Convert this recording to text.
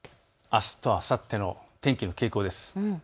あすとあさっての天気の傾向です。